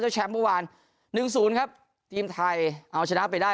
เจ้าแชมพ์ประมาณหนึ่งศูนย์ครับทีมไทยเอาชนะไปได้